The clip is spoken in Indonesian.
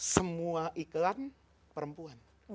semua iklan perempuan